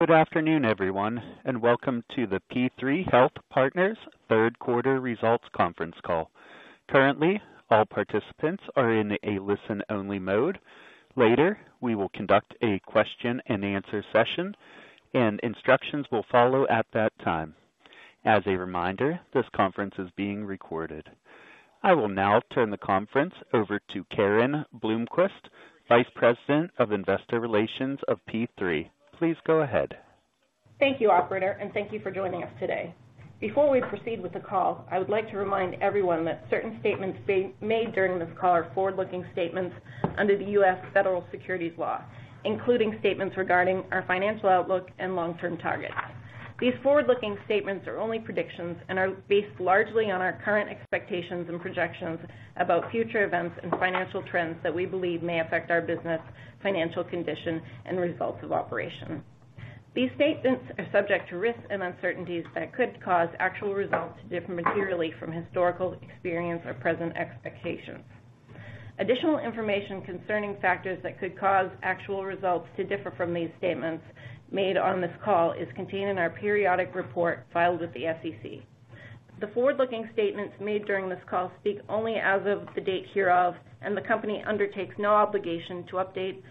Good afternoon, everyone, and welcome to the P3 Health Partners third quarter results conference call. Currently, all participants are in a listen-only mode. Later, we will conduct a question and answer session, and instructions will follow at that time. As a reminder, this conference is being recorded. I will now turn the conference over to Karen Blomquist, Vice President of Investor Relations of P3. Please go ahead. Thank you, Operator, and thank you for joining us today. Before we proceed with the call, I would like to remind everyone that certain statements being made during this call are forward-looking statements under the U.S. Federal Securities law, including statements regarding our financial outlook and long-term targets. These forward-looking statements are only predictions and are based largely on our current expectations and projections about future events and financial trends that we believe may affect our business, financial condition, and results of operation. These statements are subject to risks and uncertainties that could cause actual results to differ materially from historical experience or present expectations. Additional information concerning factors that could cause actual results to differ from these statements made on this call is contained in our periodic report filed with the SEC. The forward-looking statements made during this call speak only as of the date hereof, and the company undertakes no obligation to update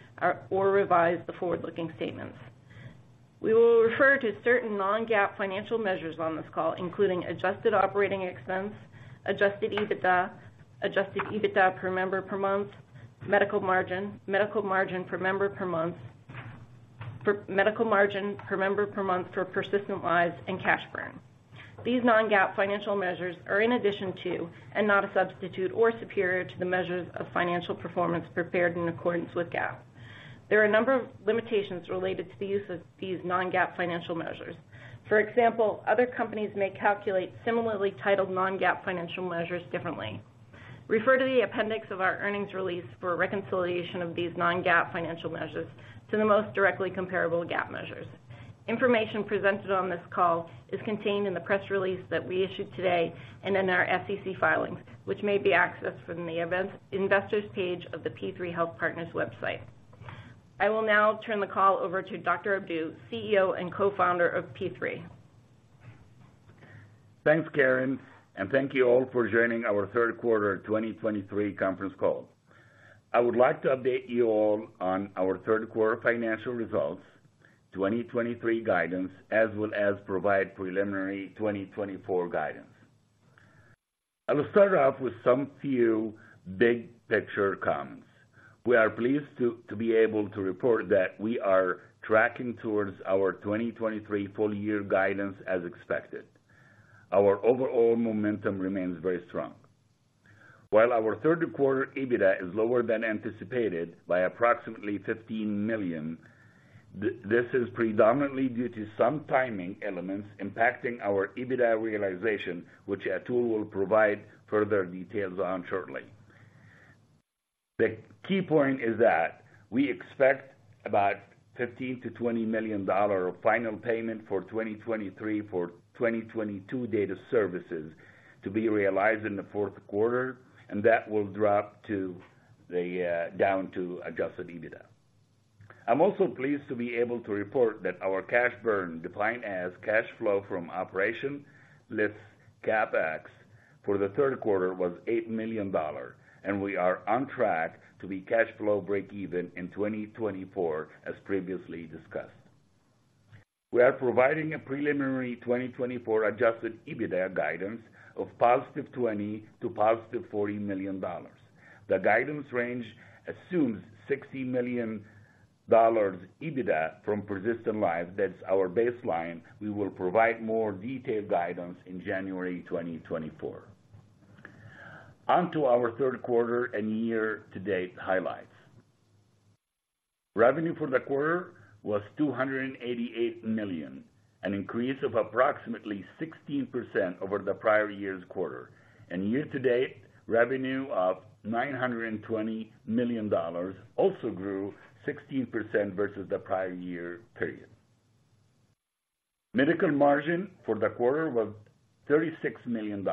or revise the forward-looking statements. We will refer to certain non-GAAP financial measures on this call, including adjusted operating expense, adjusted EBITDA, adjusted EBITDA per member per month, medical margin, medical margin per member per month, per medical margin per member per month for persistent lives and cash burn. These non-GAAP financial measures are in addition to and not a substitute or superior to the measures of financial performance prepared in accordance with GAAP. There are a number of limitations related to the use of these non-GAAP financial measures. For example, other companies may calculate similarly titled non-GAAP financial measures differently. Refer to the appendix of our earnings release for a reconciliation of these non-GAAP financial measures to the most directly comparable GAAP measures. Information presented on this call is contained in the press release that we issued today and in our SEC filings, which may be accessed from the events and investors page of the P3 Health Partners website. I will now turn the call over to Dr. Abdou, CEO and Co-Founder of P3. Thanks, Karen, and thank you all for joining our third quarter 2023 conference call. I would like to update you all on our third quarter financial results, 2023 guidance, as well as provide preliminary 2024 guidance. I will start off with some few big picture comments. We are pleased to be able to report that we are tracking towards our 2023 full year guidance as expected. Our overall momentum remains very strong. While our third quarter EBITDA is lower than anticipated by approximately $15 million, this is predominantly due to some timing elements impacting our EBITDA realization, which Atul will provide further details on shortly. The key point is that we expect about $15 million-$20 million of final payment for 2023 for 2022 data services to be realized in the fourth quarter, and that will drop to the. Down to adjusted EBITDA. I'm also pleased to be able to report that our cash burn, defined as cash flow from operation, less CapEx for the third quarter, was $8 million, and we are on track to be cash flow breakeven in 2024, as previously discussed. We are providing a preliminary 2024 adjusted EBITDA guidance of $20 million-$40 million. The guidance range assumes $60 million EBITDA from Persistent Lives. That's our baseline. We will provide more detailed guidance in January 2024. Onto our third quarter and year-to-date highlights. Revenue for the quarter was $288 million, an increase of approximately 16% over the prior year's quarter, and year-to-date, revenue of $920 million also grew 16% versus the prior year period. Medical margin for the quarter was $36 million,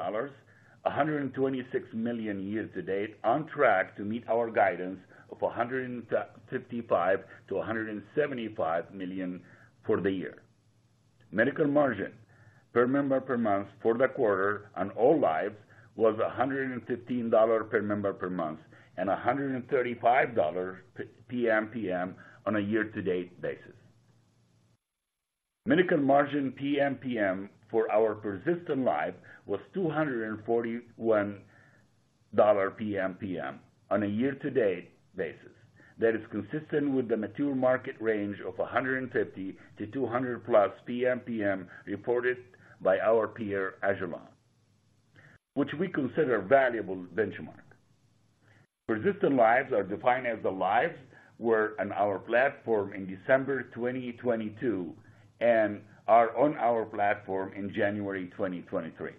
$126 million year-to-date, on track to meet our guidance of $155 million-$175 million for the year. Medical margin per member per month for the quarter on all lives was $115 per member per month and $135 PMPM on a year-to-date basis. Medical margin PMPM for our persistent lives was $241 PMPM on a year-to-date basis. That is consistent with the mature market range of $150-$200+ PMPM reported by our peer, agilon health, which we consider a valuable benchmark. Persistent lives are defined as the lives were on our platform in December 2022 and are on our platform in January 2023.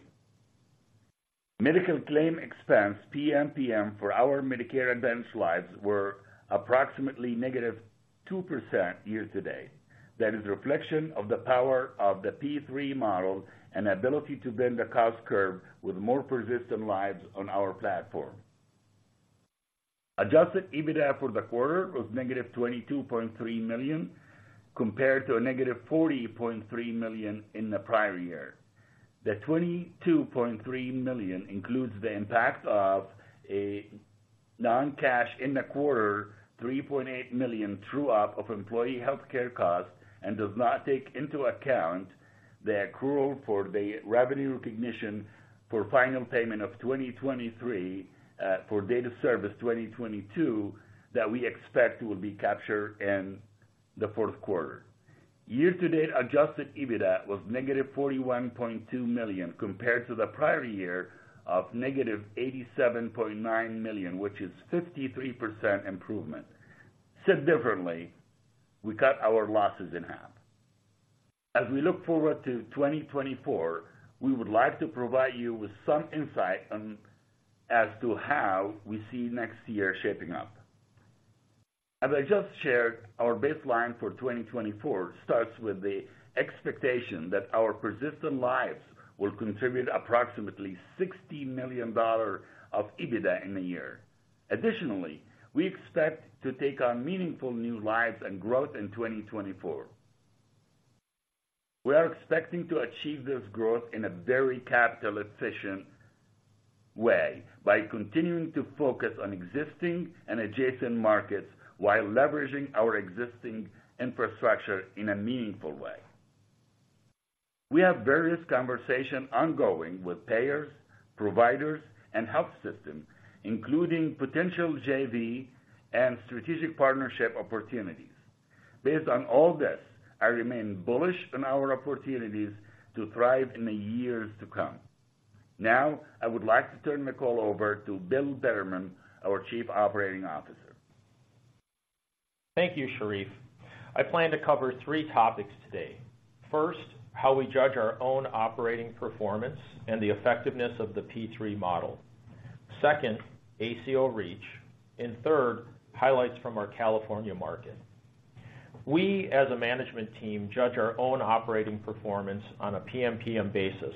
Medical claim expense PMPM for our Medicare Advantage lives were approximately -2% year to date. That is a reflection of the power of the P3 model and ability to bend the cost curve with more Persistent Lives on our platform. Adjusted EBITDA for the quarter was -$22.3 million, compared to -$40.3 million in the prior year. The $22.3 million includes the impact of a non-cash in the quarter, $3.8 million true-up of employee healthcare costs, and does not take into account the accrual for the revenue recognition for final payment of 2023, for date of service 2022, that we expect will be captured in the fourth quarter. Year-to-date Adjusted EBITDA was -$41.2 million, compared to the prior year of -$87.9 million, which is 53% improvement. Said differently, we cut our losses in half. As we look forward to 2024, we would like to provide you with some insight on as to how we see next year shaping up. As I just shared, our baseline for 2024 starts with the expectation that our persistent lives will contribute approximately $60 million of EBITDA in a year. Additionally, we expect to take on meaningful new lives and growth in 2024. We are expecting to achieve this growth in a very capital-efficient way, by continuing to focus on existing and adjacent markets, while leveraging our existing infrastructure in a meaningful way. We have various conversation ongoing with payers, providers, and health systems, including potential JV and strategic partnership opportunities. Based on all this, I remain bullish on our opportunities to thrive in the years to come. Now, I would like to turn the call over to Bill Bettermann, our Chief Operating Officer. Thank you, Sherif. I plan to cover three topics today. First, how we judge our own operating performance and the effectiveness of the P3 model. Second, ACO REACH, and third, highlights from our California market. We, as a management team, judge our own operating performance on a PMPM basis,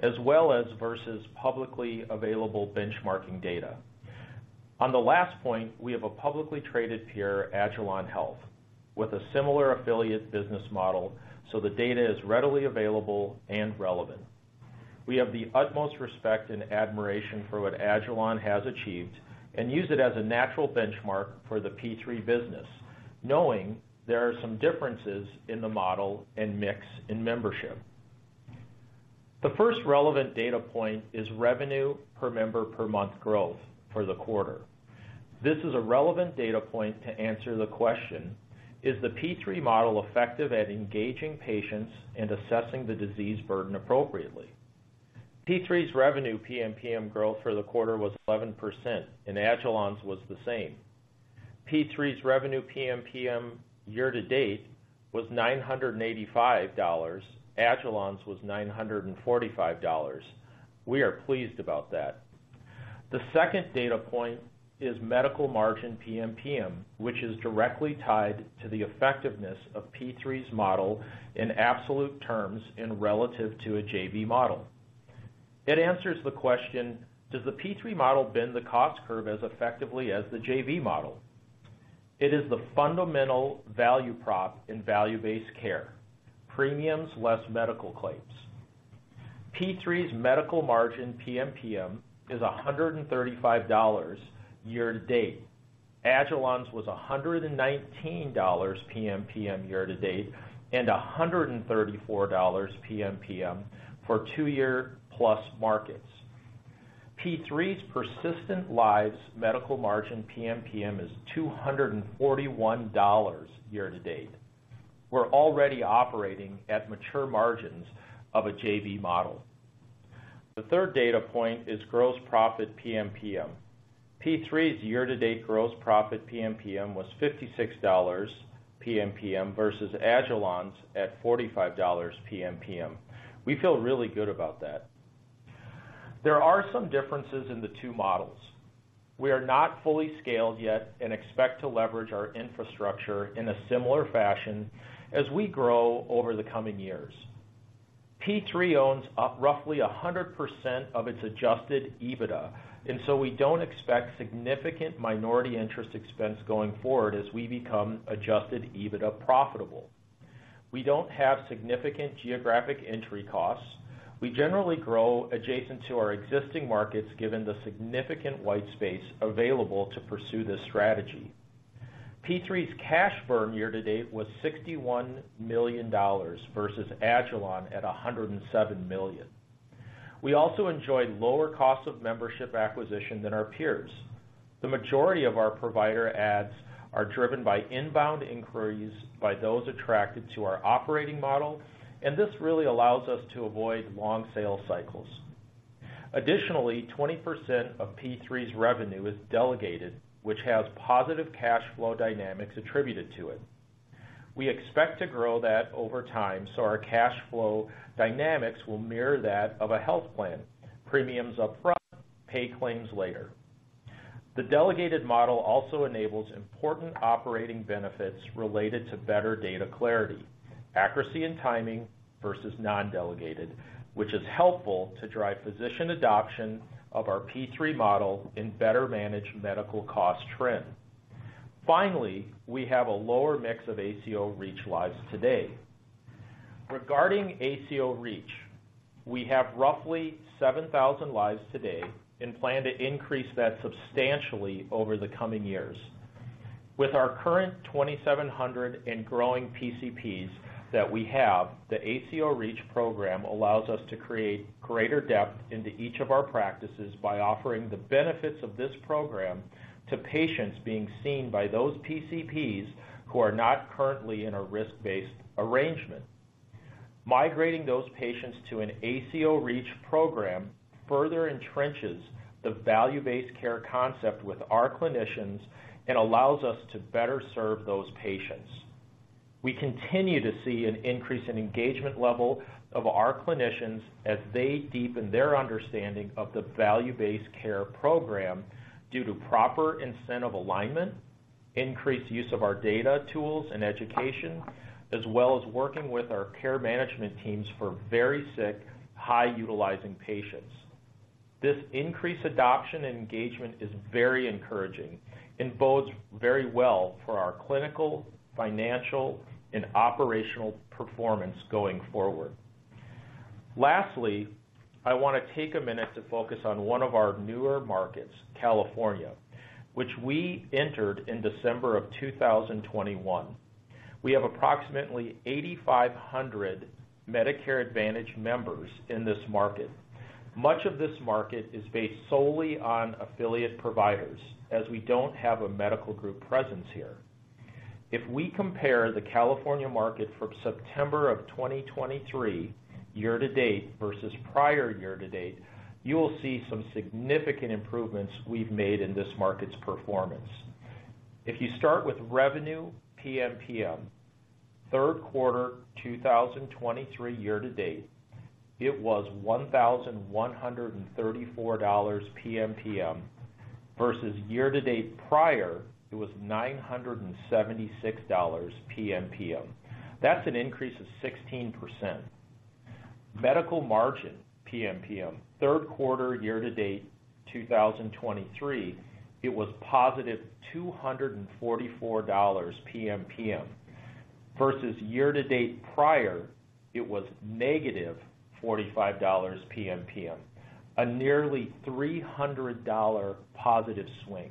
as well as versus publicly available benchmarking data. On the last point, we have a publicly traded peer, agilon health, with a similar affiliate business model, so the data is readily available and relevant. We have the utmost respect and admiration for what agilon health has achieved and use it as a natural benchmark for the P3 business, knowing there are some differences in the model and mix in membership. The first relevant data point is revenue per member per month growth for the quarter. This is a relevant data point to answer the question: Is the P3 model effective at engaging patients and assessing the disease burden appropriately? P3's revenue PMPM growth for the quarter was 11%, and agilon's was the same. P3's revenue PMPM year-to-date was $985. Agilon's was $945. We are pleased about that. The second data point is medical margin PMPM, which is directly tied to the effectiveness of P3's model in absolute terms and relative to a JV model. It answers the question: Does the P3 model bend the cost curve as effectively as the JV model? It is the fundamental value prop in value-based care, premiums less medical claims. P3's medical margin PMPM is $135 year-to-date. Agilon's was $119 PMPM year-to-date, and $134 PMPM for two-year-plus markets. P3's persistent lives medical margin PMPM is $241 year-to-date. We're already operating at mature margins of a JV model. The third data point is gross profit PMPM. P3's year-to-date gross profit PMPM was $56 PMPM versus agilon's at $45 PMPM. We feel really good about that. There are some differences in the two models. We are not fully scaled yet and expect to leverage our infrastructure in a similar fashion as we grow over the coming years. P3 owns roughly 100% of its Adjusted EBITDA, and so we don't expect significant minority interest expense going forward as we become Adjusted EBITDA profitable. We don't have significant geographic entry costs. We generally grow adjacent to our existing markets, given the significant white space available to pursue this strategy. P3's cash burn year-to-date was $61 million versus agilon at $107 million. We also enjoyed lower costs of membership acquisition than our peers. The majority of our provider adds are driven by inbound inquiries by those attracted to our operating model, and this really allows us to avoid long sales cycles. Additionally, 20% of P3's revenue is delegated, which has positive cash flow dynamics attributed to it. We expect to grow that over time, so our cash flow dynamics will mirror that of a health plan. Premiums up front, pay claims later. The delegated model also enables important operating benefits related to better data clarity, accuracy and timing versus non-delegated, which is helpful to drive physician adoption of our P3 model and better manage medical cost trend. Finally, we have a lower mix of ACO REACH lives today. Regarding ACO REACH, we have roughly 7,000 lives today and plan to increase that substantially over the coming years. With our current 2,700 and growing PCPs that we have, the ACO REACH program allows us to create greater depth into each of our practices by offering the benefits of this program to patients being seen by those PCPs who are not currently in a risk-based arrangement. Migrating those patients to an ACO REACH program further entrenches the Value-Based Care concept with our clinicians and allows us to better serve those patients. We continue to see an increase in engagement level of our clinicians as they deepen their understanding of the Value-Based Care program due to proper incentive alignment, increased use of our data tools and education, as well as working with our care management teams for very sick, high-utilizing patients. This increased adoption and engagement is very encouraging and bodes very well for our clinical, financial, and operational performance going forward. Lastly, I want to take a minute to focus on one of our newer markets, California, which we entered in December 2021. We have approximately 8,500 Medicare Advantage members in this market. Much of this market is based solely on affiliate providers, as we don't have a medical group presence here. If we compare the California market from September 2023 year-to-date versus prior year-to-date, you will see some significant improvements we've made in this market's performance. If you start with revenue, PMPM, third quarter 2023 year-to-date, it was $1,134 PMPM, versus year-to-date prior, it was $976 PMPM. That's an increase of 16%. Medical margin PMPM third quarter year-to-date 2023, it was +$244 PMPM, versus year-to-date prior, it was -$45 PMPM, a nearly $300 positive swing.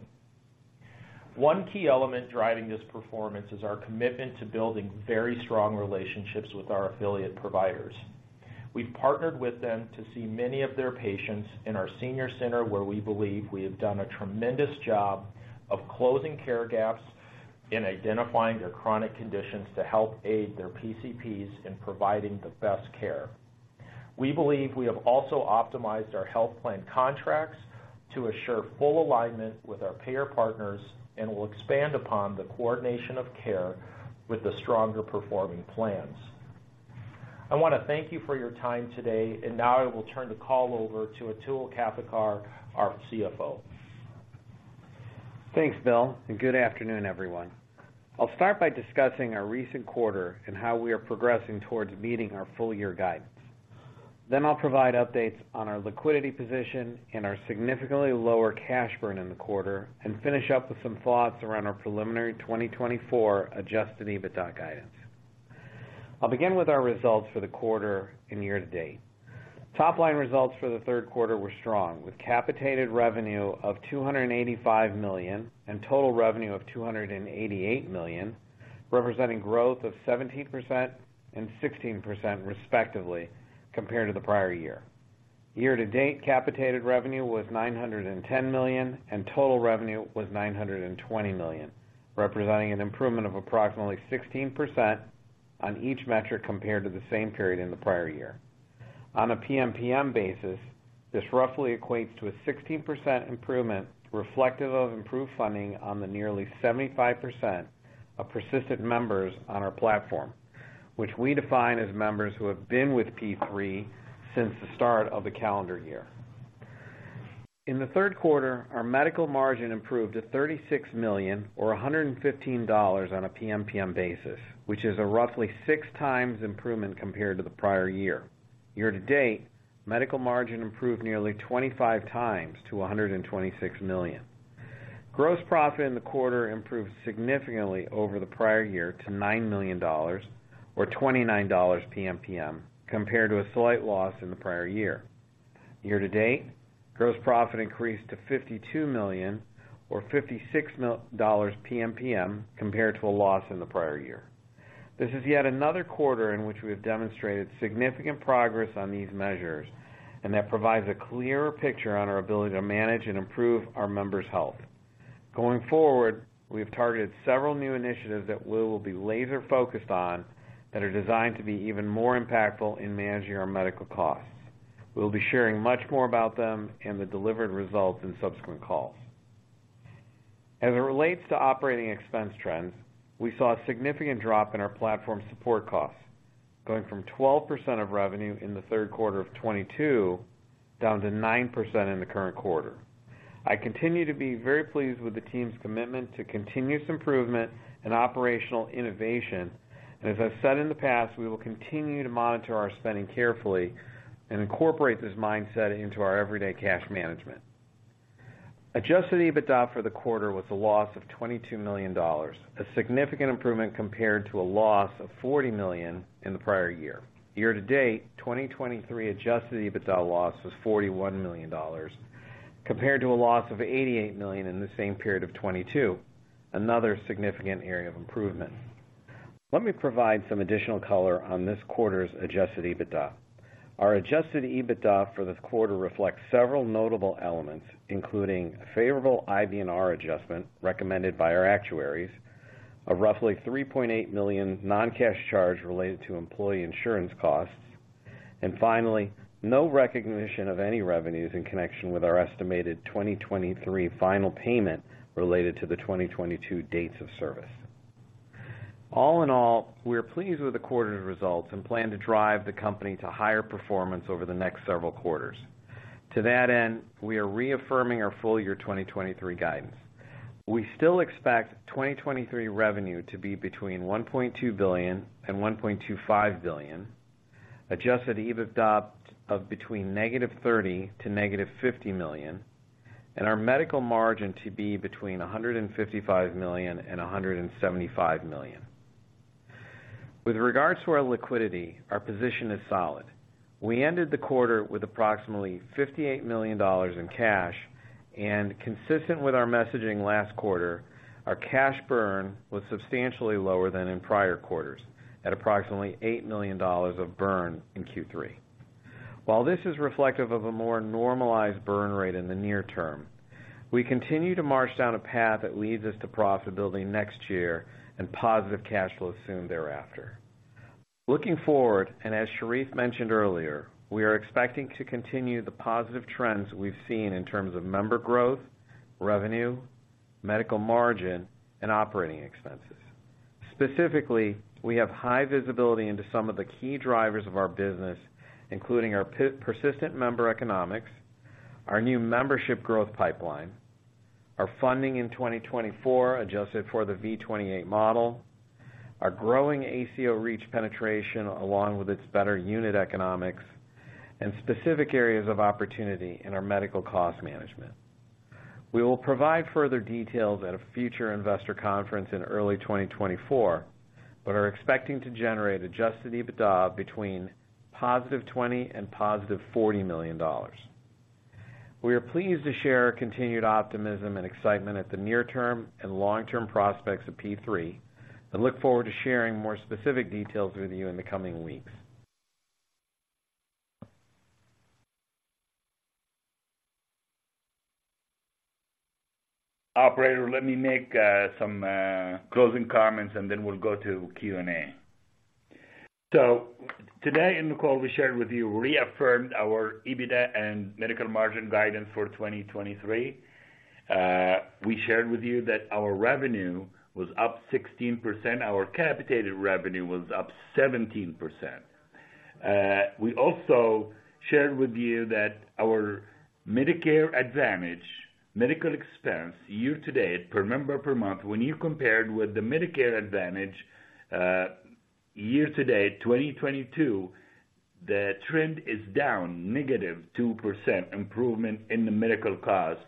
One key element driving this performance is our commitment to building very strong relationships with our affiliate providers. We've partnered with them to see many of their patients in our senior center, where we believe we have done a tremendous job of closing care gaps and identifying their chronic conditions to help aid their PCPs in providing the best care. We believe we have also optimized our health plan contracts to assure full alignment with our payer partners, and we'll expand upon the coordination of care with the stronger performing plans. I want to thank you for your time today, and now I will turn the call over to Atul Kavthekar, our CFO. Thanks, Bill, and good afternoon, everyone. I'll start by discussing our recent quarter and how we are progressing towards meeting our full year guidance. Then I'll provide updates on our liquidity position and our significantly lower cash burn in the quarter, and finish up with some thoughts around our preliminary 2024 Adjusted EBITDA guidance. I'll begin with our results for the quarter and year-to-date. Top line results for the third quarter were strong, with capitated revenue of $285 million and total revenue of $288 million, representing growth of 17% and 16%, respectively, compared to the prior year. Year-to-date, capitated revenue was $910 million, and total revenue was $920 million, representing an improvement of approximately 16% on each metric compared to the same period in the prior year. On a PMPM basis, this roughly equates to a 16% improvement, reflective of improved funding on the nearly 75% of persistent members on our platform, which we define as members who have been with P3 since the start of the calendar year. In the third quarter, our medical margin improved to $36 million, or $115 on a PMPM basis, which is a roughly 6x improvement compared to the prior year. Year-to-date, medical margin improved nearly 25x to $126 million. Gross profit in the quarter improved significantly over the prior year to $9 million or $29 PMPM, compared to a slight loss in the prior year. Year-to-date, gross profit increased to $52 million or $56 dollars PMPM, compared to a loss in the prior year. This is yet another quarter in which we have demonstrated significant progress on these measures, and that provides a clearer picture on our ability to manage and improve our members' health. Going forward, we've targeted several new initiatives that we will be laser-focused on that are designed to be even more impactful in managing our medical costs. We'll be sharing much more about them and the delivered results in subsequent calls. As it relates to operating expense trends, we saw a significant drop in our platform support costs, going from 12% of revenue in the third quarter of 2022, down to 9% in the current quarter. I continue to be very pleased with the team's commitment to continuous improvement and operational innovation. As I've said in the past, we will continue to monitor our spending carefully and incorporate this mindset into our everyday cash management. Adjusted EBITDA for the quarter was a loss of $22 million, a significant improvement compared to a loss of $40 million in the prior year. Year-to-date, 2023 adjusted EBITDA loss was $41 million, compared to a loss of $88 million in the same period of 2022, another significant area of improvement. Let me provide some additional color on this quarter's adjusted EBITDA. Our adjusted EBITDA for this quarter reflects several notable elements, including a favorable IBNR adjustment recommended by our actuaries, a roughly $3.8 million non-cash charge related to employee insurance costs, and finally, no recognition of any revenues in connection with our estimated 2023 final payment related to the 2022 dates of service. All in all, we are pleased with the quarter's results and plan to drive the company to higher performance over the next several quarters. To that end, we are reaffirming our full year 2023 guidance. We still expect 2023 revenue to be between $1.2 billion and $1.25 billion, Adjusted EBITDA of between -$30 million and -$50 million, and our medical margin to be between $155 million and $175 million. With regards to our liquidity, our position is solid. We ended the quarter with approximately $58 million in cash, and consistent with our messaging last quarter, our cash burn was substantially lower than in prior quarters, at approximately $8 million of burn in Q3. While this is reflective of a more normalized burn rate in the near term, we continue to march down a path that leads us to profitability next year and positive cash flow soon thereafter. Looking forward, and as Sherif mentioned earlier, we are expecting to continue the positive trends we've seen in terms of member growth, revenue, medical margin, and operating expenses. Specifically, we have high visibility into some of the key drivers of our business, including our per-persistent member economics, our new membership growth pipeline, our funding in 2024, adjusted for the V28 model, our growing ACO REACH penetration, along with its better unit economics, and specific areas of opportunity in our medical cost management. We will provide further details at a future investor conference in early 2024, but are expecting to generate Adjusted EBITDA between $20 million and $40 million. We are pleased to share our continued optimism and excitement at the near term and long-term prospects of P3, and look forward to sharing more specific details with you in the coming weeks. Operator, let me make some closing comments, and then we'll go to Q&A. So today in the call, we shared with you, reaffirmed our EBITDA and medical margin guidance for 2023. We shared with you that our revenue was up 16%, our capitated revenue was up 17%. We also shared with you that our Medicare Advantage medical expense, year to date, per member per month, when you compared with the Medicare Advantage, year to date, 2022, the trend is down negative 2% improvement in the medical cost,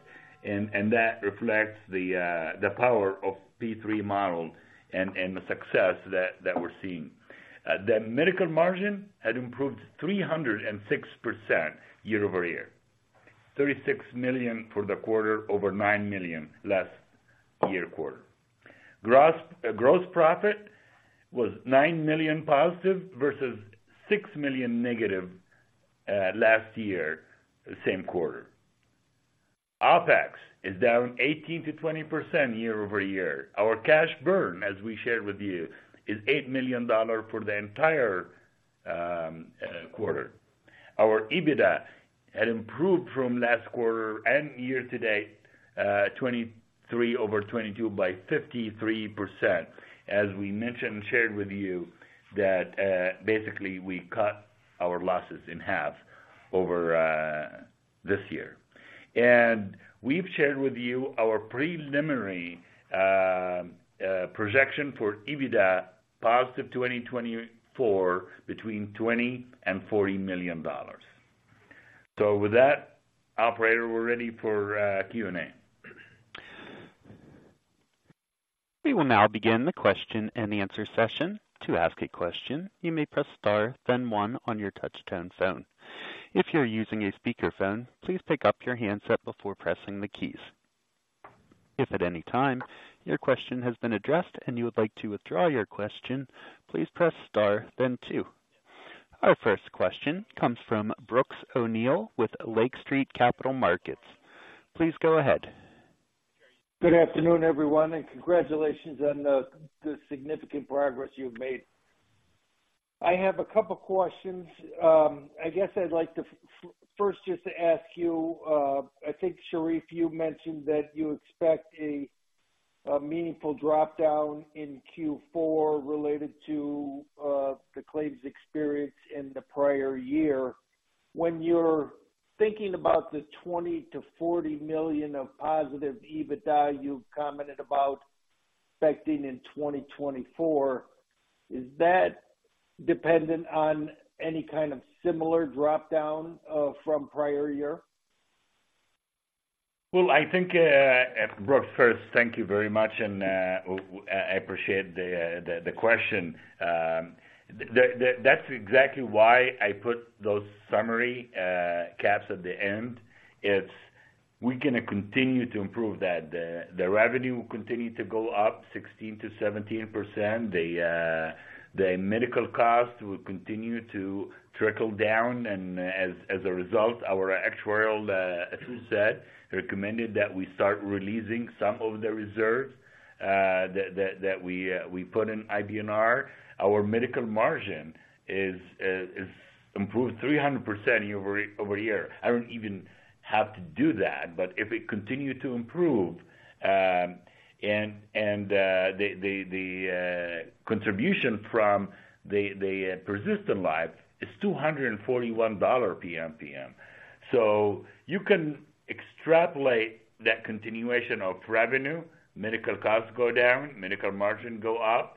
and that reflects the power of P3 model and the success that we're seeing. The medical margin had improved 306% year-over-year, $36 million for the quarter, over $9 million last year quarter. Gross, gross profit was $9 million positive versus $6 million negative, last year, same quarter. OpEx is down 18%-20% year-over-year. Our cash burn, as we shared with you, is $8 million for the entire, quarter. Our EBITDA had improved from last quarter and year to date, 2023 over 2022 by 53%. As we mentioned, shared with you, that, basically, we cut our losses in half over, this year. And we've shared with you our preliminary, projection for EBITDA positive 2024, between $20 million and $40 million. So with that, operator, we're ready for, Q&A. We will now begin the question and answer session. To ask a question, you may press star, then one on your touchtone phone. If you're using a speakerphone, please pick up your handset before pressing the keys. If at any time your question has been addressed and you would like to withdraw your question, please press star then two. Our first question comes from Brooks O'Neil with Lake Street Capital Markets. Please go ahead. Good afternoon, everyone, and congratulations on the significant progress you've made. I have a couple questions. I guess I'd like to first just ask you. I think Sherif you mentioned that you expect a meaningful drop down in Q4 related to the claims experience in the prior year. When you're thinking about the $20 million-$40 million of positive EBITDA you commented about expecting in 2024, is that dependent on any kind of similar drop down from prior year? Well, I think, Brooks, first, thank you very much, and I appreciate the question. That's exactly why I put those summary caps at the end. It's, we're gonna continue to improve that. The revenue will continue to go up 16%-17%. The medical costs will continue to trickle down, and as a result, our actuarial set recommended that we start releasing some of the reserves that we put in IBNR. Our medical margin is improved 300% year over year. I don't even have to do that, but if it continue to improve, and the contribution from the persistent life is $241 PMPM. So you can extrapolate that continuation of revenue, medical costs go down, medical margin go up,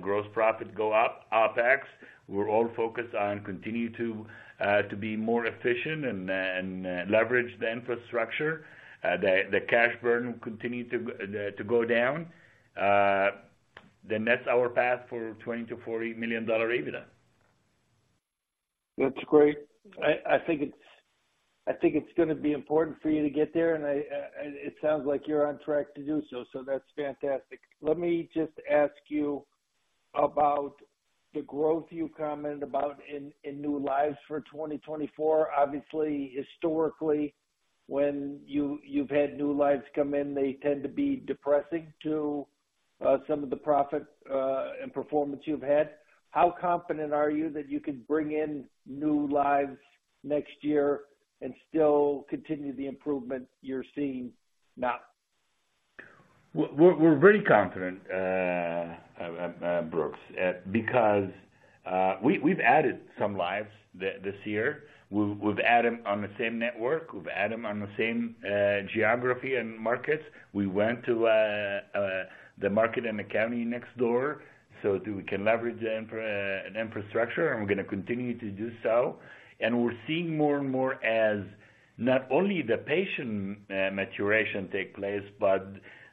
gross profit go up, OpEx. We're all focused on continuing to be more efficient and leverage the infrastructure. The cash burn will continue to go down. Then that's our path for $20 million-$40 million EBITDA. That's great. I think it's gonna be important for you to get there, and it sounds like you're on track to do so, so that's fantastic. Let me just ask you about the growth you commented about in new lives for 2024. Obviously, historically, when you've had new lives come in, they tend to be depressing to some of the profit and performance you've had. How confident are you that you can bring in new lives next year and still continue the improvement you're seeing now? We're very confident, Brooks, because we've added some lives this year. We've added on the same network, we've added on the same geography and markets. We went to the market and the county next door, so that we can leverage the infrastructure, and we're gonna continue to do so. And we're seeing more and more as not only the patient maturation take place, but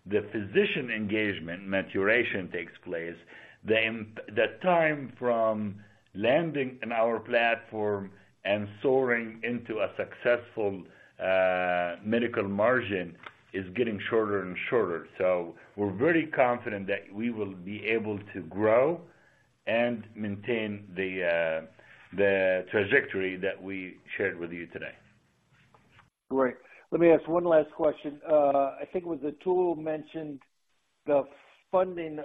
the physician engagement maturation takes place. The time from landing in our platform and soaring into a successful medical margin is getting shorter and shorter. So we're very confident that we will be able to grow and maintain the trajectory that we shared with you today. Great. Let me ask one last question. I think it was Atul mentioned the funding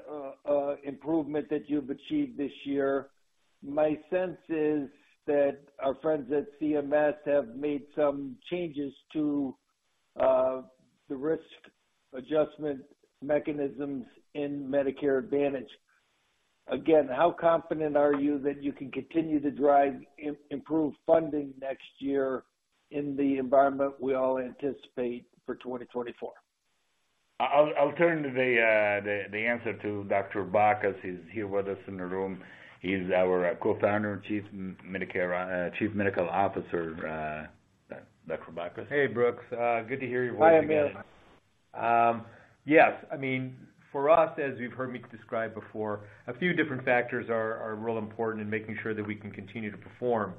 improvement that you've achieved this year. My sense is that our friends at CMS have made some changes to the risk adjustment mechanisms in Medicare Advantage. Again, how confident are you that you can continue to drive improved funding next year in the environment we all anticipate for 2024? I'll turn the answer to Dr. Bacchus, who's here with us in the room. He's our Co-Founder and Chief Medical Officer, Dr. Bacchus. Hey, Brooks, good to hear your voice again. Hi, Amir. Yes, I mean, for us, as you've heard me describe before, a few different factors are real important in making sure that we can continue to perform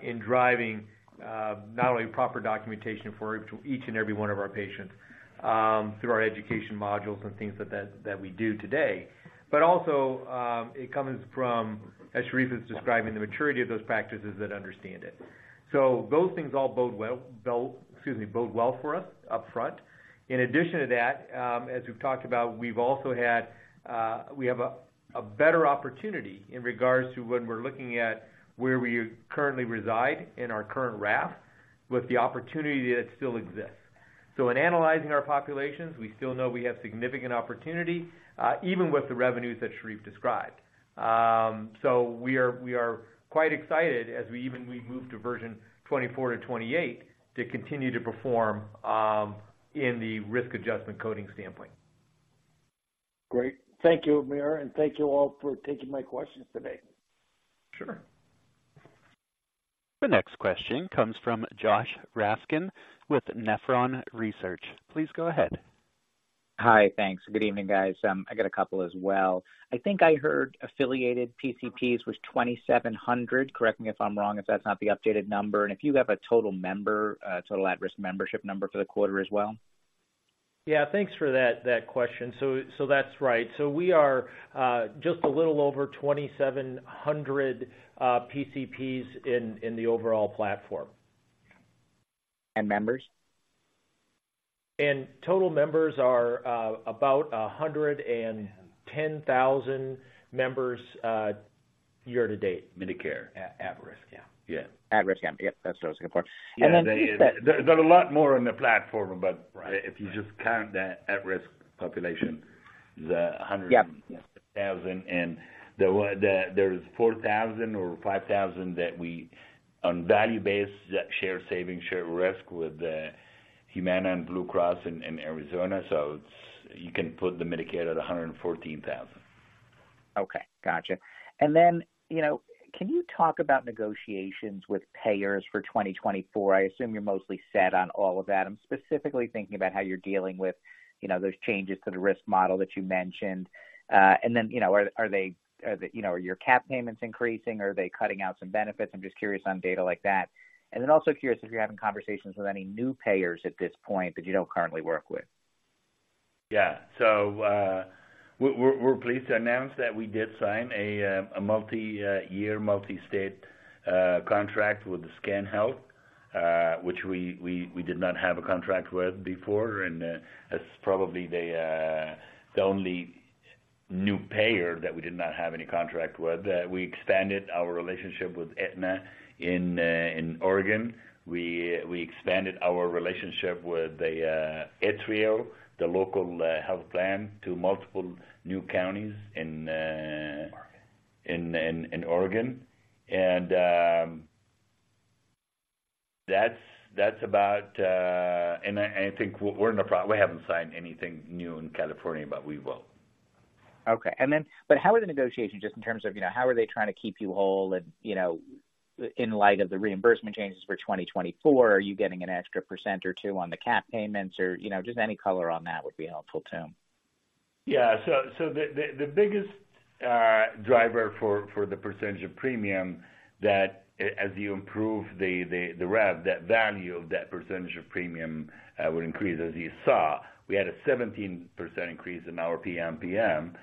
in driving not only proper documentation for each and every one of our patients through our education modules and things that we do today. But also, it comes from, as Sherif is describing, the maturity of those practices that understand it. So those things all bode well for us upfront. In addition to that, as we've talked about, we've also had, we have a better opportunity in regards to when we're looking at where we currently reside in our current RAF, with the opportunity that still exists. So in analyzing our populations, we still know we have significant opportunity even with the revenues that Sherif described. So we are quite excited as we move to version 24 to 28 to continue to perform in the risk adjustment coding sampling. Great. Thank you, Amir, and thank you all for taking my questions today. Sure. The next question comes from Josh Raskin with Nephron Research. Please go ahead. Hi. Thanks. Good evening, guys. I got a couple as well. I think I heard affiliated PCPs was 2,700. Correct me if I'm wrong, if that's not the updated number. If you have a total member, total at-risk membership number for the quarter as well. Yeah, thanks for that question. So that's right. So we are just a little over 2,700 PCPs in the overall platform. And members? Total members are about 110,000 members. Year-to-date? Medicare. At-risk, yeah. Yeah. At-risk, yeah. Yep, that's what I was looking for. And then- There are a lot more on the platform, but- Right If you just count the at-risk population, the 100- Yep thousand, and there's 4,000 or 5,000 that we on value-based share savings, share risk with Humana and Blue Cross in Arizona. So it's, you can put the Medicaid at 114,000. Okay, gotcha. Then, you know, can you talk about negotiations with payers for 2024? I assume you're mostly set on all of that. I'm specifically thinking about how you're dealing with, you know, those changes to the risk model that you mentioned. And then, you know, are they, you know, are your cap payments increasing? Or are they cutting out some benefits? I'm just curious on data like that. And then also curious if you're having conversations with any new payers at this point that you don't currently work with. Yeah. So, we're pleased to announce that we did sign a multi-year, multi-state contract with SCAN Health, which we did not have a contract with before, and that's probably the only new payer that we did not have any contract with. We expanded our relationship with Aetna in Oregon. We expanded our relationship with the ATRIO, the local health plan, to multiple new counties in Oregon. Oregon. And that's about and I think we haven't signed anything new in California, but we will. Okay. And then, but how are the negotiations, just in terms of, you know, how are they trying to keep you whole and, you know, in light of the reimbursement changes for 2024, are you getting an extra 1% or 2% on the cap payments or, you know, just any color on that would be helpful, too? Yeah. So, the biggest driver for the percentage of premium, that as you improve the rev, the value of that percentage of premium would increase. As you saw, we had a 17% increase in our PMPM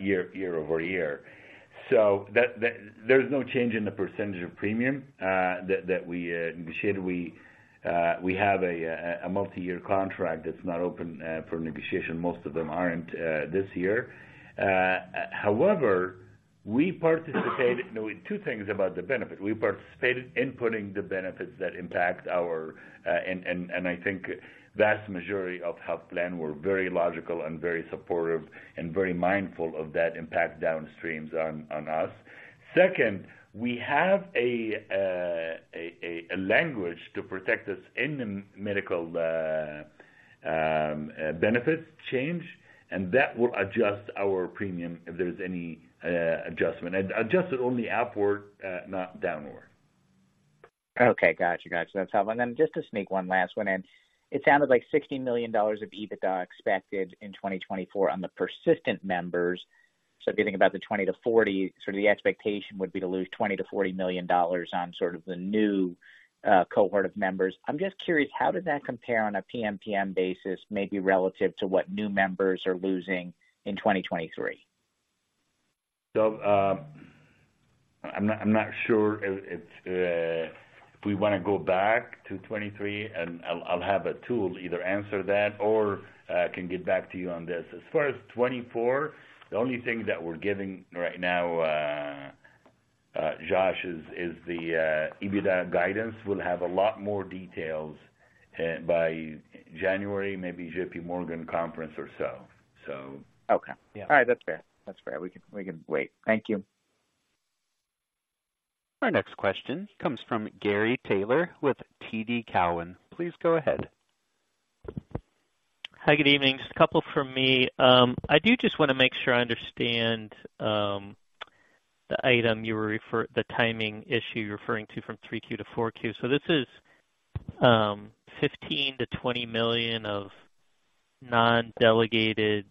year-over-year. So that-- there's no change in the percentage of premium that we negotiated. We have a multiyear contract that's not open for negotiation. Most of them aren't this year. However, we participated. You know, two things about the benefit. We participated in putting the benefits that impact our and I think vast majority of health plans were very logical and very supportive and very mindful of that impact downstream on us. Second, we have a language to protect us in the medical benefits change, and that will adjust our premium if there's any adjustment. And adjusted only upward, not downward. Okay, got you. Got you. That's helpful. And then just to sneak one last one in. It sounded like $60 million of EBITDA expected in 2024 on the persistent members. So if you think about the 20-40, sort of the expectation would be to lose $20 million-$40 million on sort of the new cohort of members. I'm just curious, how does that compare on a PPM basis, maybe relative to what new members are losing in 2023? So, I'm not sure if we wanna go back to 2023, and I'll have Atul either answer that or can get back to you on this. As far as 2024, the only thing that we're giving right now, Josh, is the EBITDA guidance. We'll have a lot more details by January, maybe J.P. Morgan conference or so. Okay. Yeah. All right. That's fair. That's fair. We can, we can wait. Thank you. Our next question comes from Gary Taylor with TD Cowen. Please go ahead. Hi, good evening. Just a couple from me. I do just want to make sure I understand the timing issue you're referring to from 3Q to 4Q. So this is $15 million-$20 million of non-delegated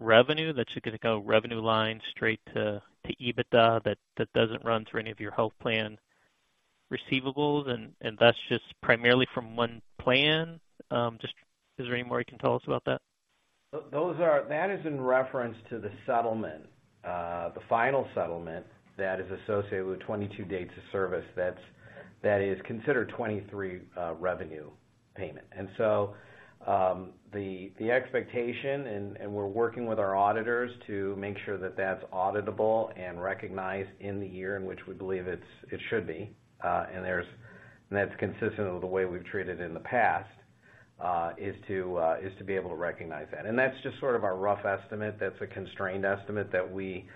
revenue? That you're gonna go revenue line straight to EBITDA, that doesn't run through any of your health plan receivables, and that's just primarily from one plan. Just is there any more you can tell us about that? Those are that is in reference to the settlement, the final settlement that is associated with 2022 dates of service, that's, that is considered 2023 revenue payment. And so, the, the expectation, and, and we're working with our auditors to make sure that that's auditable and recognized in the year in which we believe it's, it should be, and there's and that's consistent with the way we've treated in the past, is to, is to be able to recognize that. And that's just sort of our rough estimate. That's a constrained estimate that we,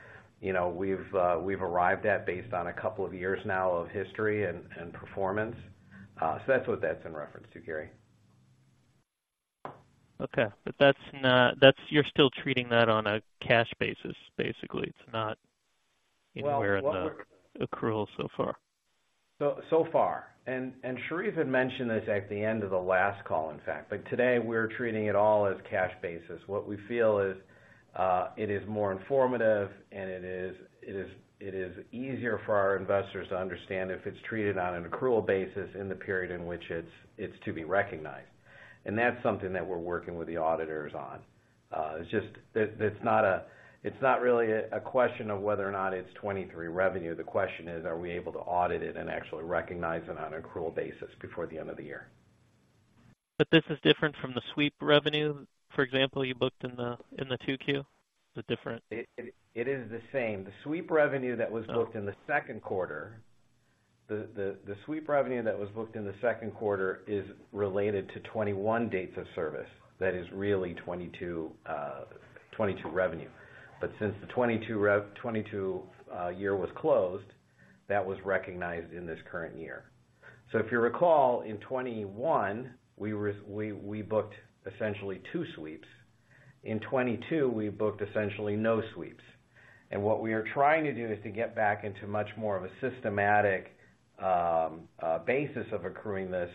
you know, we've, we've arrived at based on a couple of years now of history and, and performance. So that's what that's in reference to, Gary. Okay. But that's, you're still treating that on a cash basis, basically. It's not anywhere- Well, what we're in the accrual so far. So far, Sherif had mentioned this at the end of the last call, in fact, but today we're treating it all as cash basis. What we feel is, it is more informative, and it is easier for our investors to understand if it's treated on an accrual basis in the period in which it's to be recognized. And that's something that we're working with the auditors on. It's just, it's not really a question of whether or not it's 2023 revenue. The question is: Are we able to audit it and actually recognize it on an accrual basis before the end of the year? But this is different from the sweep revenue, for example, you booked in the 2Q? Is it different? It is the same. The sweep revenue that was booked in the second quarter, the sweep revenue that was booked in the second quarter is related to 2021 dates of service. That is really 2022 revenue. But since the 2022 year was closed, that was recognized in this current year. So if you recall, in 2021, we booked essentially two sweeps. In 2022, we booked essentially no sweeps. And what we are trying to do is to get back into much more of a systematic basis of accruing this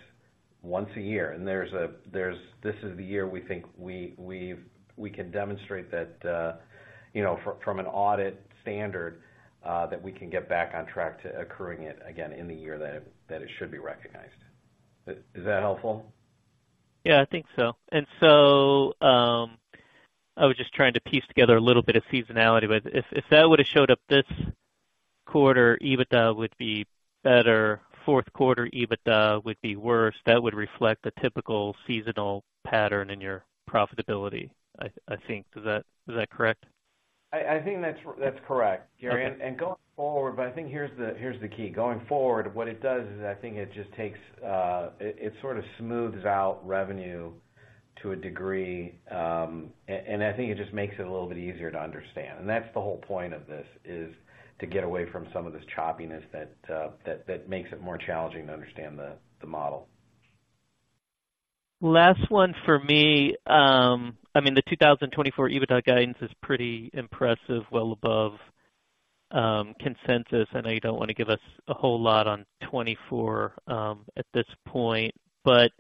once a year. And this is the year we think we can demonstrate that, you know, from an audit standard, that we can get back on track to accruing it again in the year that it should be recognized. Is that helpful? Yeah, I think so. And so, I was just trying to piece together a little bit of seasonality, but if that would've showed up this quarter, EBITDA would be better, fourth quarter EBITDA would be worse. That would reflect the typical seasonal pattern in your profitability, I think. Is that correct? I think that's correct, Gary. Okay. And going forward, but I think here's the key. Going forward, what it does is I think it just takes. It sort of smooths out revenue to a degree, and I think it just makes it a little bit easier to understand. And that's the whole point of this, is to get away from some of this choppiness that makes it more challenging to understand the model. Last one for me. I mean, the 2024 EBITDA guidance is pretty impressive, well above consensus. I know you don't want to give us a whole lot on 2024 at this point, but,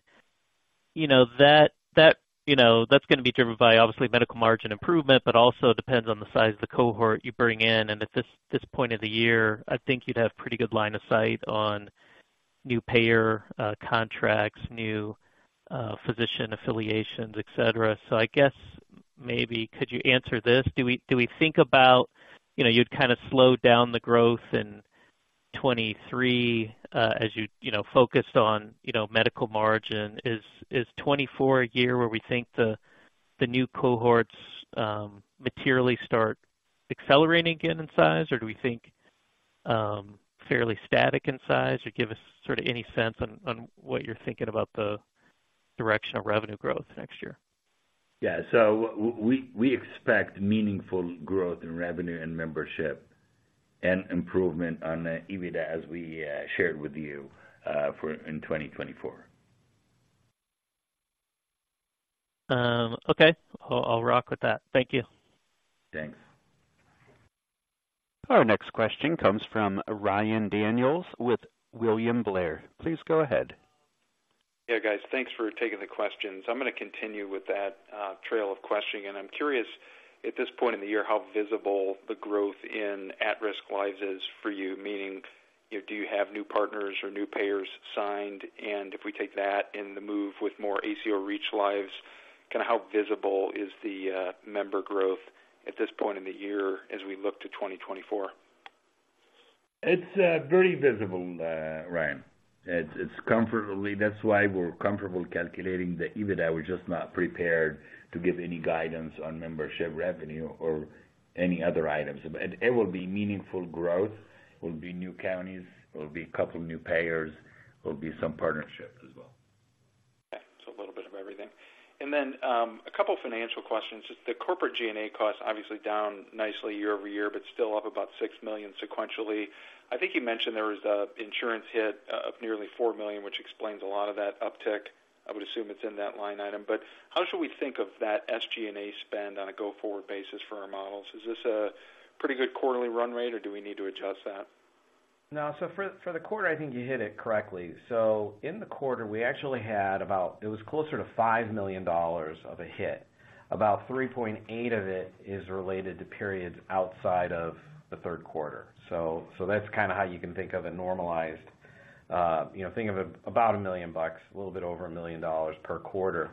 you know, that, that, you know, that's gonna be driven by obviously medical margin improvement, but also depends on the size of the cohort you bring in. And at this point of the year, I think you'd have pretty good line of sight on new payer contracts, new physician affiliations, et cetera. So I guess maybe could you answer this? Do we think about, you know, you'd kind of slow down the growth in 2023 as you, you know, focused on, you know, medical margin. Is 2024 a year where we think the new cohorts materially start accelerating again in size? Or do we think, fairly static in size? Or give us sort of any sense on, on what you're thinking about the direction of revenue growth next year. Yeah. So we expect meaningful growth in revenue and membership and improvement on the EBITDA as we shared with you in 2024. Okay. I'll rock with that. Thank you. Thanks. Our next question comes from Ryan Daniels with William Blair. Please go ahead. Yeah, guys. Thanks for taking the questions. I'm gonna continue with that, trail of questioning, and I'm curious, at this point in the year, how visible the growth in at-risk lives is for you. Meaning, you know, do you have new partners or new payers signed? And if we take that and the move with more ACO REACH lives, kind of how visible is the, member growth at this point in the year as we look to 2024? It's very visible, Ryan. It's comfortably. That's why we're comfortable calculating the EBITDA. We're just not prepared to give any guidance on membership revenue or any other items. But it will be meaningful growth, it will be new counties, it will be a couple new payers, it will be some partnerships as well. Yeah, so a little bit of everything. Then, a couple financial questions. The corporate G&A costs obviously down nicely year-over-year, but still up about $6 million sequentially. I think you mentioned there was an insurance hit of nearly $4 million, which explains a lot of that uptick. I would assume it's in that line item, but how should we think of that SG&A spend on a go-forward basis for our models? Is this a pretty good quarterly run rate, or do we need to adjust that? No. So for the quarter, I think you hit it correctly. So in the quarter, we actually had about. It was closer to $5 million of a hit. About $3.8 million of it is related to periods outside of the third quarter. So that's kind of how you can think of a normalized, you know, about $1 million bucks, a little bit over $1 million per quarter.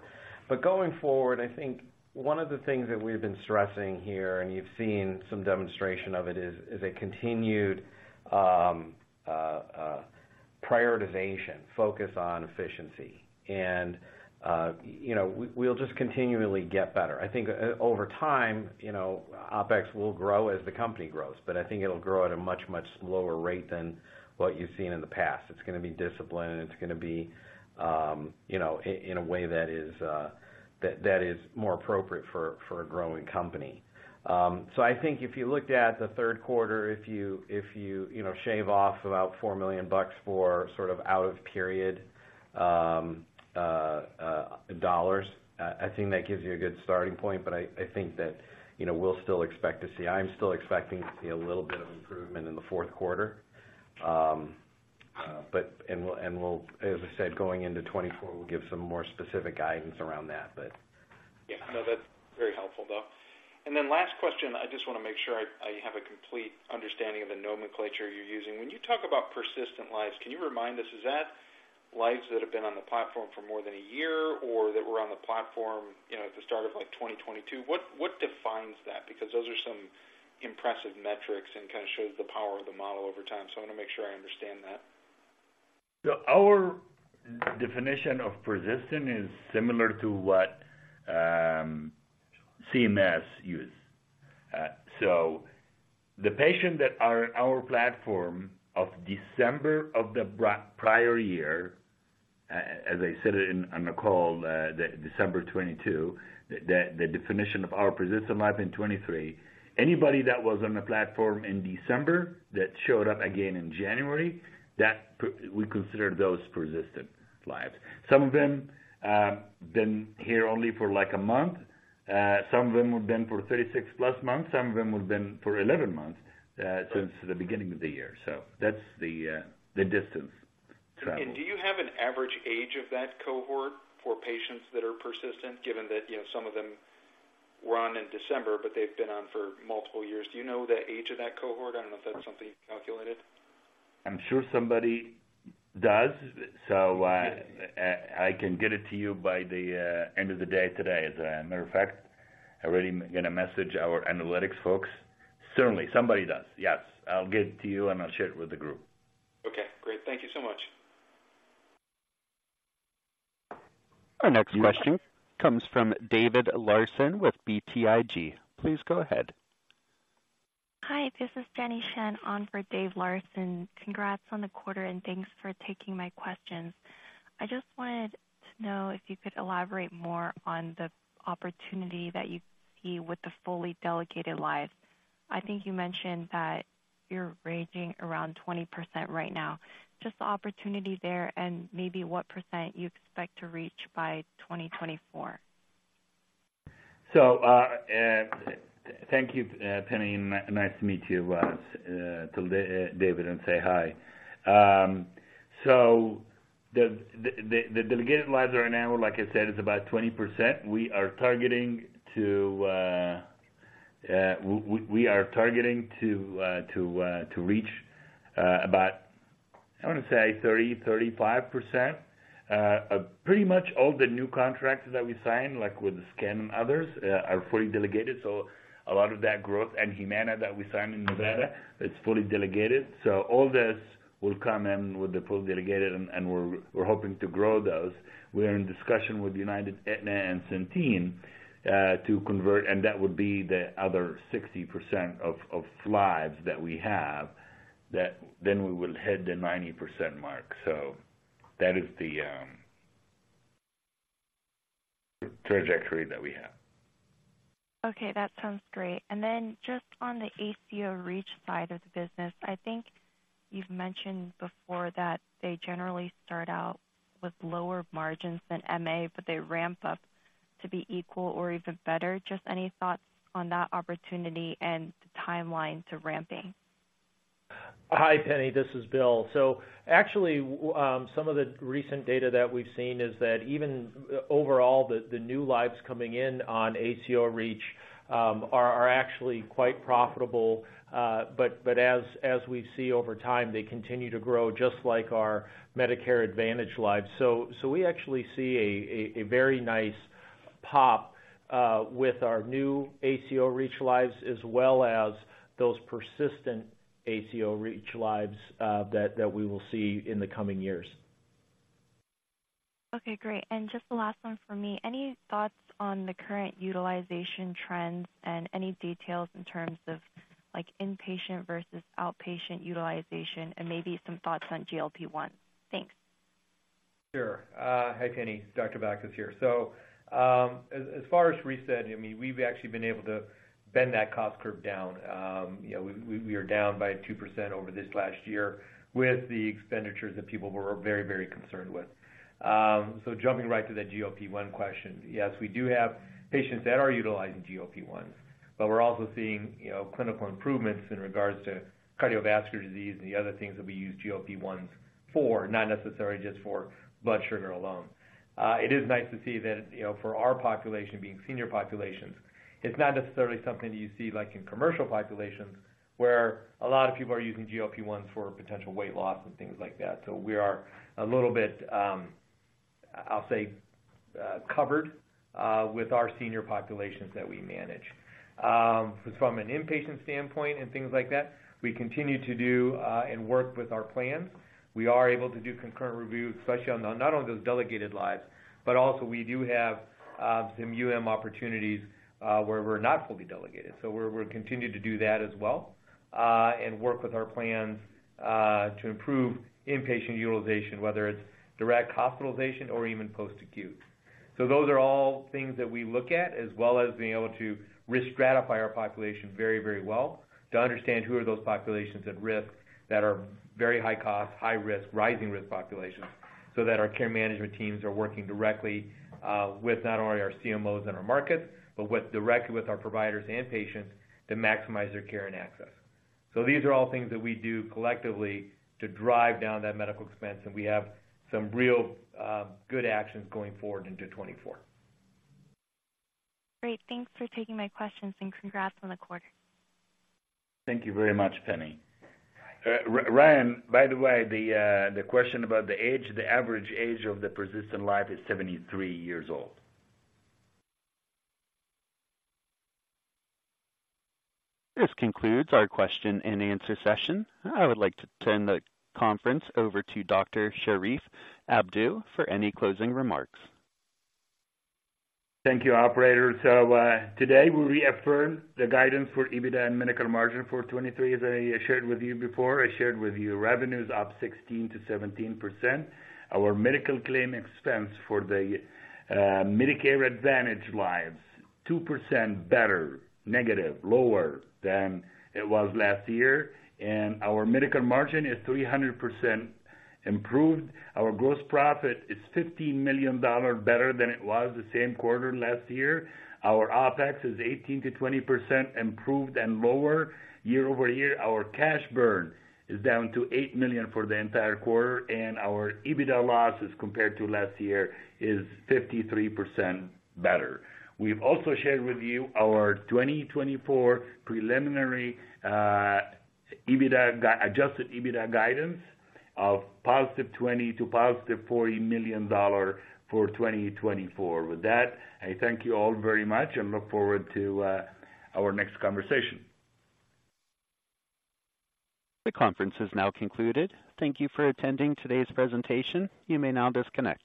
But going forward, I think one of the things that we've been stressing here, and you've seen some demonstration of it, is a continued prioritization, focus on efficiency. And, you know, we'll just continually get better. I think over time, you know, OpEx will grow as the company grows, but I think it'll grow at a much, much slower rate than what you've seen in the past. It's gonna be disciplined, and it's gonna be, you know, in a way that is that is more appropriate for a growing company. So I think if you looked at the third quarter, if you you know, shave off about $4 million for sort of out of period dollars, I think that gives you a good starting point. But I think that, you know, we'll still expect to see. I'm still expecting to see a little bit of improvement in the fourth quarter. But. And we'll, and we'll as I said, going into 2024, we'll give some more specific guidance around that, but. Yeah. No, that's very helpful, though. And then last question, I just wanna make sure I have a complete understanding of the nomenclature you're using. When you talk about persistent lives, can you remind us, is that lives that have been on the platform for more than a year, or that were on the platform, you know, at the start of, like, 2022. What, what defines that? Because those are some impressive metrics and kind of shows the power of the model over time. So I want to make sure I understand that. So our definition of persistent is similar to what CMS use. So the patients that are in our platform of December of the prior year, as I said it in, on the call, the December 2022, the definition of our persistent life in 2023, anybody that was on the platform in December that showed up again in January, we consider those persistent lives. Some of them been here only for like a month, some of them have been for 36+ months, some of them have been for 11 months, since the beginning of the year. So that's the distance traveled. Do you have an average age of that cohort for patients that are persistent, given that, you know, some of them were on in December, but they've been on for multiple years? Do you know the age of that cohort? I don't know if that's something you've calculated. I'm sure somebody does. So, I can get it to you by the end of the day today. As a matter of fact, I'm already gonna message our analytics folks. Certainly, somebody does. Yes, I'll get it to you, and I'll share it with the group. Okay, great. Thank you so much. Our next question comes from David Larsen with BTIG. Please go ahead. Hi, this is Jenny Shen on for David Larsen. Congrats on the quarter, and thanks for taking my questions. I just wanted to know if you could elaborate more on the opportunity that you see with the fully delegated lives. I think you mentioned that you're ranging around 20% right now. Just the opportunity there and maybe what percent you expect to reach by 2024. So, thank you, Jenny, and nice to meet you, tell David, and say hi. So the delegated lives are now, like I said, is about 20%. We are targeting to reach about, I wanna say 30, 35%. Pretty much all the new contracts that we sign, like with SCAN and others, are fully delegated, so a lot of that growth, and Humana that we signed in Nevada, is fully delegated. So all this will come in with the full delegated, and we're hoping to grow those. We are in discussion with United, Aetna, and Centene, to convert, and that would be the other 60% of, of lives that we have, that then we will hit the 90% mark. So that is the trajectory that we have. Okay, that sounds great. And then just on the ACO REACH side of the business, I think you've mentioned before that they generally start out with lower margins than MA, but they ramp up to be equal or even better. Just any thoughts on that opportunity and the timeline to ramping? Hi, Jenny, this is Bill. So actually, some of the recent data that we've seen is that even overall, the new lives coming in on ACO REACH are actually quite profitable. But as we see over time, they continue to grow, just like our Medicare Advantage lives. So we actually see a very nice pop with our new ACO REACH lives, as well as those persistent ACO REACH lives that we will see in the coming years. Okay, great. And just the last one for me. Any thoughts on the current utilization trends and any details in terms of, like, inpatient versus outpatient utilization, and maybe some thoughts on GLP-1? Thanks. Sure. Hi, Jenny. Dr. Bacchus here. So, as far as reset, I mean, we've actually been able to bend that cost curve down. You know, we are down by 2% over this last year with the expenditures that people were very, very concerned with. So jumping right to the GLP-1 question, yes, we do have patients that are utilizing GLP-1, but we're also seeing, you know, clinical improvements in regards to cardiovascular disease and the other things that we use GLP-1s for, not necessarily just for blood sugar alone. It is nice to see that, you know, for our population, being senior populations, it's not necessarily something that you see like in commercial populations, where a lot of people are using GLP-1 for potential weight loss and things like that. So we are a little bit, I'll say, covered with our senior populations that we manage. From an inpatient standpoint and things like that, we continue to do and work with our plans. We are able to do concurrent reviews, especially on the not only those delegated lives, but also we do have some UM opportunities where we're not fully delegated. So we're continuing to do that as well and work with our plans to improve inpatient utilization, whether it's direct hospitalization or even post-acute. So those are all things that we look at, as well as being able to risk stratify our population very, very well, to understand who are those populations at risk, that are very high cost, high risk, rising risk populations, so that our care management teams are working directly, with not only our CMOs and our markets, but with directly with our providers and patients to maximize their care and access. So these are all things that we do collectively to drive down that medical expense, and we have some real, good actions going forward into 2024. Great. Thanks for taking my questions, and congrats on the quarter. Thank you very much, Jenny. Ryan, by the way, the question about the age, the average age of the persistent life is 73 years old. This concludes our question and answer session. I would like to turn the conference over to Dr. Sherif Abdou for any closing remarks. Thank you, operator. So, today, we reaffirm the guidance for EBITDA and medical margin for 2023, as I shared with you before. I shared with you revenues up 16%-17%. Our medical claim expense for the Medicare Advantage lives, 2% better, negative, lower than it was last year, and our medical margin is 300% improved. Our gross profit is $15 million better than it was the same quarter last year. Our OpEx is 18%-20% improved and lower year over year. Our cash burn is down to $8 million for the entire quarter, and our EBITDA loss as compared to last year, is 53% better. We've also shared with you our 2024 preliminary EBITDA adjusted EBITDA guidance of +$20 million to +$40 million for 2024. With that, I thank you all very much and look forward to our next conversation. The conference is now concluded. Thank you for attending today's presentation. You may now disconnect.